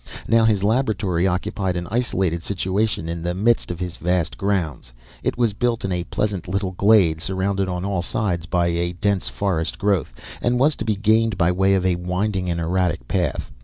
Now his laboratory occupied an isolated situation in the midst of his vast grounds. It was built in a pleasant little glade, surrounded on all sides by a dense forest growth, and was to be gained by way of a winding and erratic path.